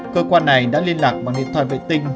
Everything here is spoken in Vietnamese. cơ quan này đã liên lạc bằng điện thoại vệ tinh